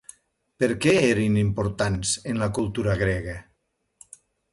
Per què eren importants en la cultura grega?